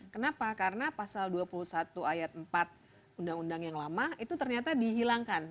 kenapa karena pasal dua puluh satu ayat empat undang undang yang lama itu ternyata dihilangkan